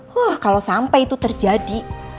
wah kalau sampai itu terjadi